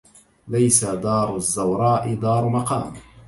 ليس دار الزوراء دار مقام